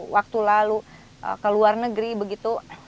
waktu lalu ke luar negeri begitu